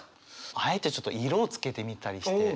あえてちょっと色をつけてみたりして。